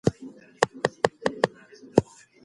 خلک د ارغنداب سیند سره خپلې مینې ښکارندويي کوي.